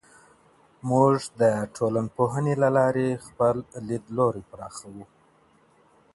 موږ د ټولنپوهنې له لارې خپل لیدلوری پراخوو.